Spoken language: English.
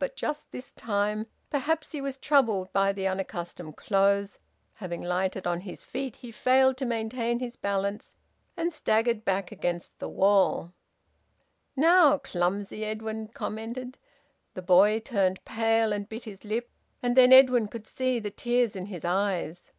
But just this time perhaps he was troubled by the unaccustomed clothes having lighted on his feet, he failed to maintain his balance and staggered back against the wall. "Now, clumsy!" Edwin commented. The boy turned pale, and bit his lip, and then Edwin could see the tears in his eyes.